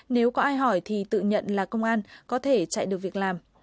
nếu có ai hỏi thì tự nhận là công an có thể chạy được việc làm